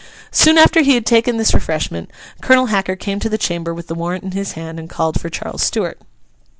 Soon after he had taken this refreshment, Colonel Hacker came to the chamber with the warrant in his hand, and called for Charles Stuart.